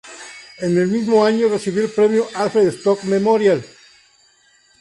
En el mismo año recibió el Premio Alfred Stock Memorial.